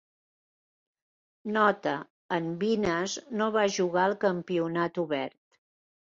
Nota: En Vines no va jugar al Campionat Obert.